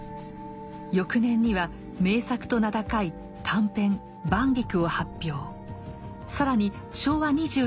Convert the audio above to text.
翌年には名作と名高い短編「晩菊」を発表。